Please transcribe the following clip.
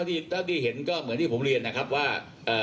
เท่าที่เห็นก็เหมือนที่ผมเรียนนะครับว่า